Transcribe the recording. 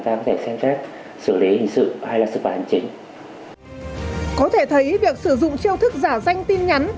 sử dụng chiêu thức giả danh tin nhắn